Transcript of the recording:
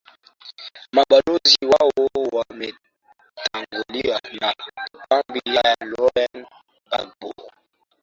mabalozi wao wameteguliwa na kambi ya lauren bagbo